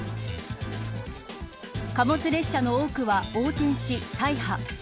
貨物列車の多くは横転し、大破。